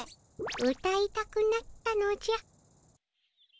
うたいたくなったのじゃ。